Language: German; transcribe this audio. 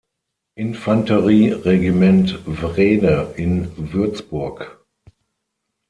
Infanterie-Regiment „Wrede“ in Würzburg.